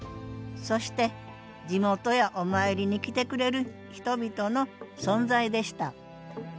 そして地元やお参りに来てくれる人々の存在でした